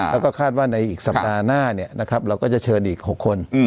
แล้วก็คาดว่าในอีกสัปดาห์หน้าเราก็จะเชิญอีก๖คน